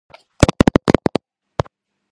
ამ სახელს ემატებოდა ოჯახის გვარი.